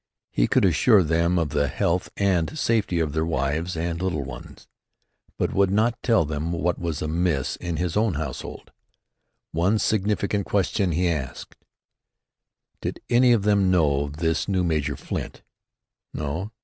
He could assure them of the health and safety of their wives and little ones, but would not tell them what was amiss in his own household. One significant question he asked: Did any of them know this new Major Flint? No?